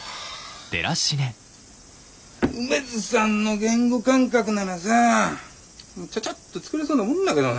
梅津さんの言語感覚ならさちゃちゃっと作れそうなもんだけどね。